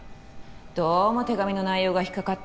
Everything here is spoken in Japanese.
どうも手紙の内容が引っかかって